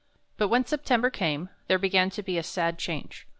But when September came, there began to be a sad change.